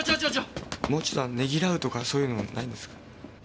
もうちょっとあのねぎらうとかそういうのないんですか？